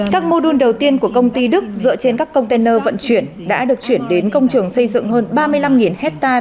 các mô đun đầu tiên của công ty đức dựa trên các container vận chuyển đã được chuyển đến công trường xây dựng hơn ba mươi năm hectare